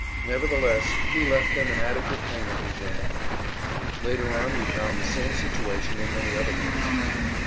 Nevertheless we left them an adequate payment in German money. Later on we found the same situation in many other places.